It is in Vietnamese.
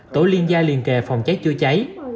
tổ liên gia liên kề phòng cháy chữa cháy